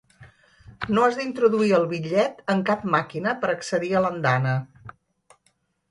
No has d’introduir el bitllet en cap màquina per accedir a l’andana.